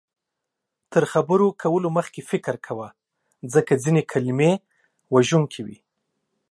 تر خبرو کولو مخکې فکر کوه، ځکه ځینې کلمې وژونکې وي